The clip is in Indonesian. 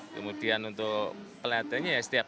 kemudian untuk pelatihannya ya setiap